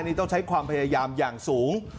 นี่ต้องใช้ความพยายามอย่างสูง